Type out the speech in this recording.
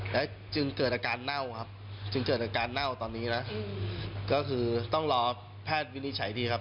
แล้วจึงเกิดอาการเน่าครับจึงเกิดอาการเน่าตอนนี้นะก็คือต้องรอแพทย์วินิจฉัยดีครับ